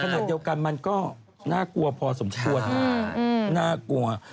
ขณะเดียวกันมันก็น่ากลัวพอสมควรน่ากลัว